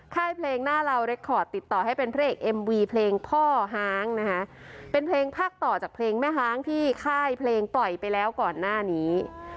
ค่ายเพลงหน้าเราเรคคอร์ดติดต่อให้เป็นพระเอกเอ็มวีเพลงพ่อฮางนะคะเป็นเพลงภาคต่อจากเพลงแม่ฮางที่ค่ายเพลงปล่อยไปแล้วก่อนหน้านี้